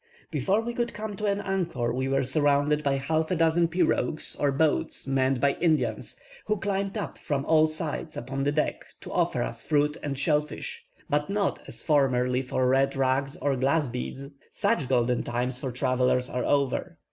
Before we could come to an anchor we were surrounded by half a dozen pirogues, or boats, manned by Indians, who climbed up from all sides upon the deck to offer us fruit and shell fish, but not as formerly for red rags or glass beads such golden times for travellers are over.